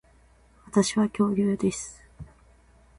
私は恐竜です